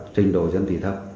trình độ dân tỷ thấp